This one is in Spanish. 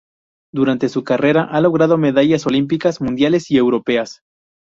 Durante su carrera ha logrado medallas olímpicas, mundiales y europeas.